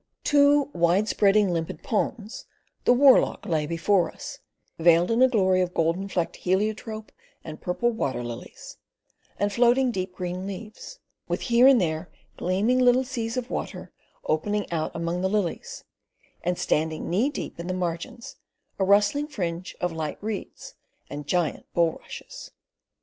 Two wide spreading limpid ponds, the Warloch lay before us, veiled in a glory of golden flecked heliotrope and purple water lilies, and floating deep green leaves, with here and there gleaming little seas of water, opening out among the lilies, and standing knee deep in the margins a rustling fringe of light reeds and giant bulrushes.